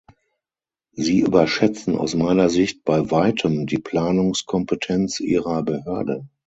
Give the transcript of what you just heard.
Sie überschätzen aus meiner Sicht bei Weitem die Planungskompetenz Ihrer Behörde.